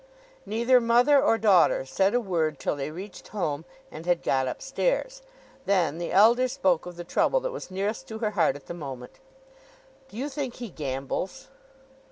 Neither mother or daughter said a word till they reached home and had got up stairs. Then the elder spoke of the trouble that was nearest to her heart at the moment. "Do you think he gambles?"